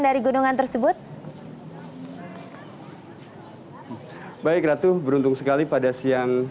dari gunungan tersebut baik ratu beruntung sekali pada siang